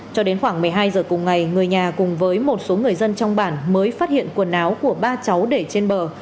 cho đến khoảng một mươi hai giờ cùng ngày người nhà cùng với một số người dân trong bản mới phát hiện quần áo của ba cháu để trên bờ